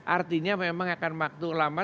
artinya memang akan waktu lama